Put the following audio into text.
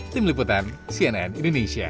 tim liputan cnn indonesia